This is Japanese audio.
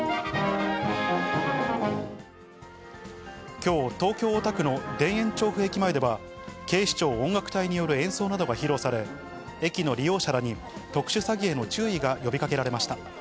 きょう、東京・大田区の田園調布駅前では、警視庁音楽隊による演奏などが披露され、駅の利用者らに特殊詐欺への注意が呼びかけられました。